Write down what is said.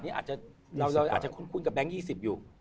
อาจจะเราอาจจะคุ้นกับแบงค์๒๐อยู่